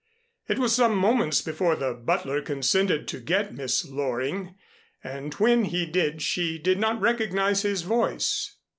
It was some moments before the butler consented to get Miss Loring, and when he did she did not recognize his voice.